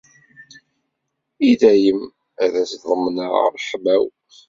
I dayem, ad as-ḍemneɣ ṛṛeḥma-w.